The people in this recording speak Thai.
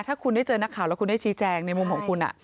ถ้าคุณได้เจอนักข่าวแล้วคุณได้ชี้แจงในมุมของคุณ